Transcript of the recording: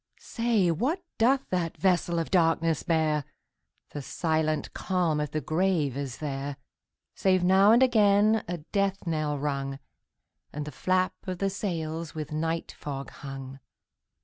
Say, what doth that vessel of darkness bear? The silent calm of the grave is there, Save now and again a death knell rung, And the flap of the sails with night fog hung.